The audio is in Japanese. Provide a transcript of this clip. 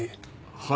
はい。